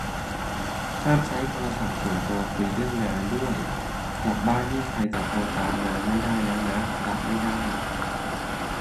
ห้ามใช้โทรศัพท์ส่วนตัวคุยเรื่องงานด้วย กลับบ้านนี่ใครจะโทรตามงานไม่ได้แล้วนะ รับไม่ได้